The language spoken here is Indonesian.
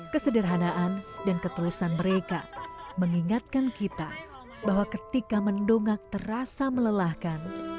kesederhanaan dan ketulusan mereka mengingatkan kita bahwa ketika mendongak terasa melelahkan